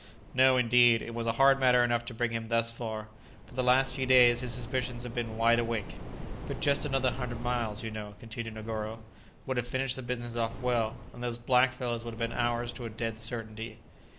"No, indeed; it was a hard matter enough to bring him thus far; for the last few days his suspicions have been wide awake." "But just another hundred miles, you know," continued Negoro, "would have finished the business off well, and those black fellows would have been ours to a dead certainty."